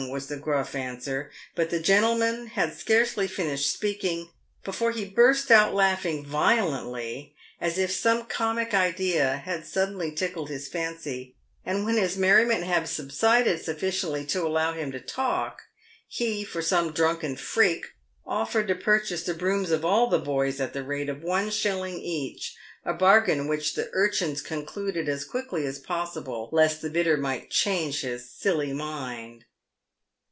was the gruff answer ; but the gentleman had scarcely finished speaking before he burst out laughing violently, as if some comic idea had suddenly tickled his fancy, and when his merriment had subsided sufficiently to allow him to talk, he, for some drunken freak, offered to purchase the brooms of all the boys at the rate of one shilling each, a bargain which the urchins concluded as quickly as possible lest the bidder might change his silly mind.